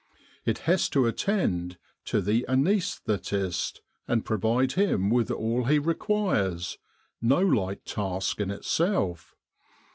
It has to attend to the anaesthetist and provide him with all he requires no light task in itself.